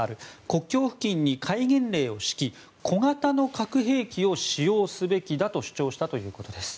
国境付近に戒厳令を敷き小型の核兵器を使用すべきだと主張したということです。